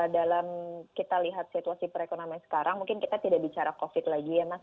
dalam kita lihat situasi perekonomian sekarang mungkin kita tidak bicara covid lagi ya mas